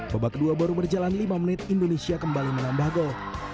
babak kedua baru berjalan lima menit indonesia kembali menambah gol